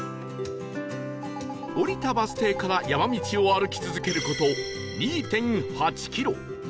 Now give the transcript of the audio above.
降りたバス停から山道を歩き続ける事 ２．８ キロ